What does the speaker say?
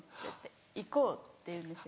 行こう」って言うんですよ。